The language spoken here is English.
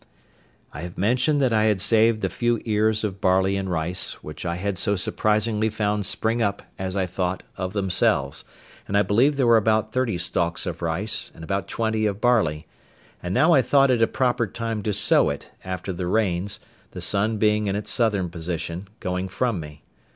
I have mentioned that I had saved the few ears of barley and rice, which I had so surprisingly found spring up, as I thought, of themselves, and I believe there were about thirty stalks of rice, and about twenty of barley; and now I thought it a proper time to sow it, after the rains, the sun being in its southern position, going from me.